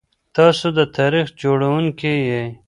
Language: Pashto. تاسو د تاريخ جوړونکي يئ.